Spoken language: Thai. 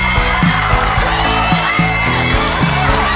ต้องเร็วหน่อยนะลูก